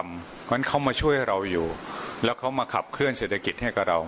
เพราะฉะนั้นเขามาช่วยเราอยู่แล้วเขามาขับเคลื่อเศรษฐกิจให้กับเรา